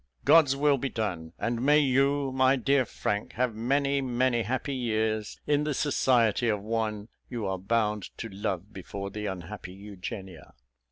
God's will be done; and may you, my dear Frank, have many, many happy years in the society of one you are bound to love before the unhappy Eugenia."